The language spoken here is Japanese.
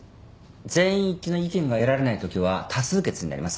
全員一致の意見が得られないときは多数決になります。